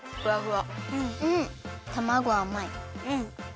たまごあまい。